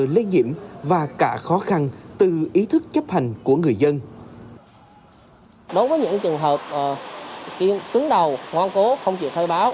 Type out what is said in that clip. đối với những trường hợp tướng đầu ngoan cố không chịu khai báo